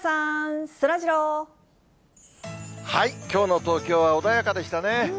きょうの東京は穏やかでしたね。